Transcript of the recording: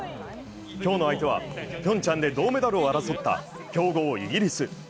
今日の相手は、ピョンチャンで銅メダルを争った強豪イギリス。